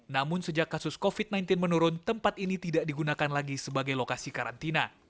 namun sejak kasus covid sembilan belas menurun tempat ini tidak digunakan lagi sebagai lokasi karantina